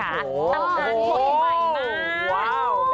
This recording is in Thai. ต่างนั้นรอบใหม่มาก